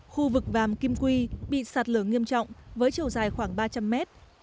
khu vực vàm kim quy bị sạt lở nghiêm trọng với chiều dài khoảng ba trăm linh mét